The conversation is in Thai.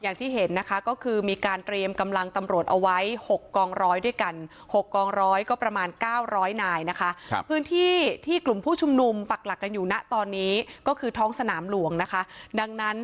อย่างที่เห็นนะคะก็คือมีการเตรียมกำลังตำรวจเอาไว้หกกองร้อยด้วยกันหกกองร้อยก็ประมาณเก้าร้อยนายนะคะ